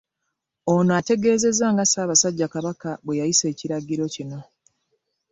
Ono ategeezezza nga Ssaabasajja Kabaka bwe yayisa ekiragiro kino